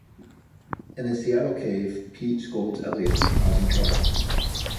In a seaside cave, Pete scolds Elliott for causing trouble.